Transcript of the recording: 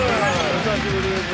お久しぶりです